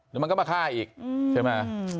แล้วมันก็มาฆ่าอีกใช่ปะ